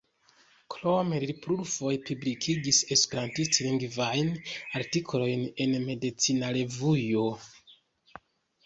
Krome li plurfoje publikigis esperantlingvajn artikolojn en Medicina Revuo.